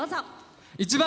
１番